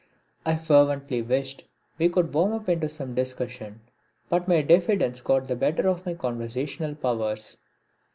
I fervently wished we could warm up into some discussion, but my diffidence got the better of my conversational powers.